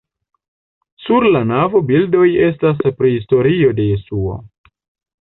Sur la navo bildoj estas pri historio de Jesuo.